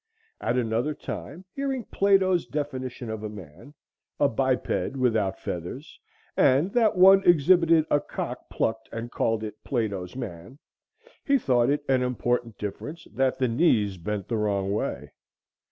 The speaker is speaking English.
At another time, hearing Plato's definition of a man,—a biped without feathers,—and that one exhibited a cock plucked and called it Plato's man, he thought it an important difference that the knees bent the wrong way.